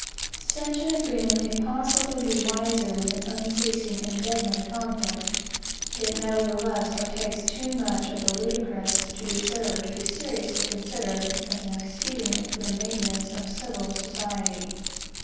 Such an agreement may possibly be wiser than unceasing and deadly conflict; it nevertheless partakes too much of the ludicrous to deserve to be seriously considered as an expedient for the maintenance of civil society.